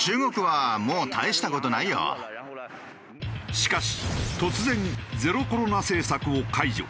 しかし突然ゼロコロナ政策を解除。